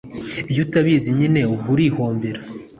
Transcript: iyo utabizi nyine ubwo urihombera